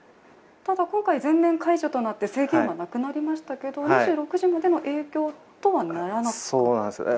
ただ今回、全面解除となって制限はなくなりましたけど２６時までの営業とはならなかったんですか？